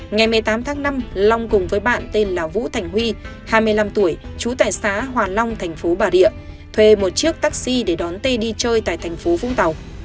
ngày một mươi tám tháng năm long cùng với bạn tên là vũ thành huy hai mươi năm tuổi trú tại xã hòa long thành phố bà rịa thuê một chiếc taxi để đón tê đi chơi tại thành phố vũng tàu